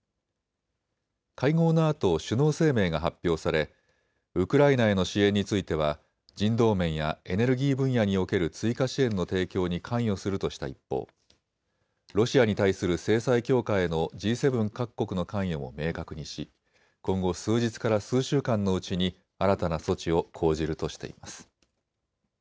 会合のあと首脳声明が発表されウクライナへの支援については人道面やエネルギー分野における追加支援の提供に関与するとした一方、ロシアに対する制裁強化へのＧ７各国の関与も明確にし今後、数日から数週間のうちに新たな措置を講じるとしています。